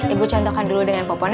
ibu contohkan dulu dengan popon